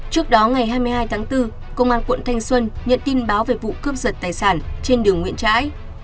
trước đó ngày hai mươi hai tháng bốn công an quận thanh xuân nhận tin báo về vụ cướp giật tài sản trên đường nguyễn trãi